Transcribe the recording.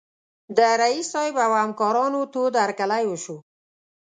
د رییس صیب او همکارانو تود هرکلی وشو.